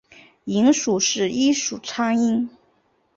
蝇属是一属苍蝇。